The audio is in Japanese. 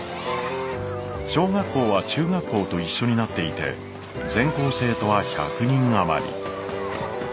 小学校は中学校と一緒になっていて全校生徒は１００人余り。